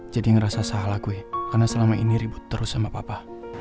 jadi ngerasa salah kue karena selama ini ribut terus sama papa